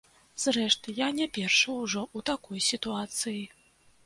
Зрэшты, я не першы ўжо ў такой сітуацыі.